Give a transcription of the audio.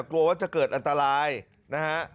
กลัวว่าจะเกิดอันตรายนะฮะ